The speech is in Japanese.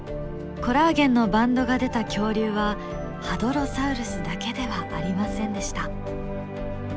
コラーゲンのバンドが出た恐竜はハドロサウルスだけではありませんでした。